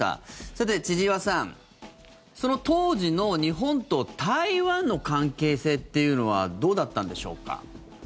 さて、千々岩さん、その当時の日本と台湾の関係性というのはどうだったんでしょうか？